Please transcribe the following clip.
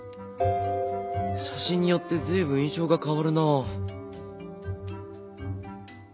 写真によって随分印象が変わるなあ。